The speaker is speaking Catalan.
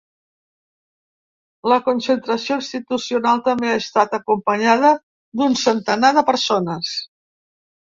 La concentració institucional també ha estat acompanyada d’un centenar de persones.